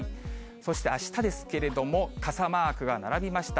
そしてあしたですけれども、傘マークが並びました。